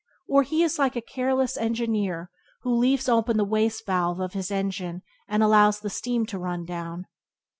Or he is like a careless engineer who leaves open the waste valve of his engine and allows the steam to run down.